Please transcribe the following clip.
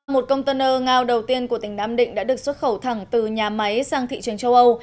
một container ngao đầu tiên của tỉnh nam định đã được xuất khẩu thẳng từ nhà máy sang thị trường châu âu